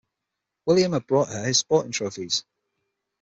William had brought her his sporting trophies.